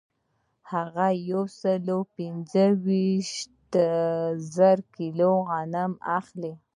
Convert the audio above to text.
هغه یو سل پنځه ویشت زره کیلو غنم اخلي